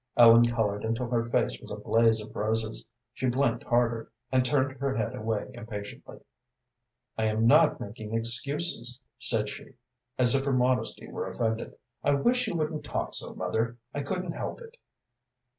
Ellen colored until her face was a blaze of roses, she blinked harder, and turned her head away impatiently. "I am not making excuses," said she, as if her modesty were offended. "I wish you wouldn't talk so, mother. I couldn't help it."